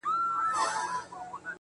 ما خو خپل زړه هغې ته وركړى ډالۍ,